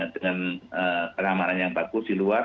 dengan pengamanan yang bagus di luar